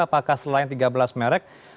apakah selain tiga belas merek